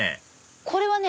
これはね。